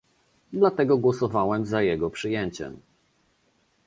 Dlatego głosowałem za jego przyjęciem